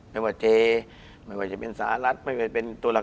ไม่ว่าเจไม่ว่าจะเป็นสหรัฐไม่ว่าเป็นตัวหลัก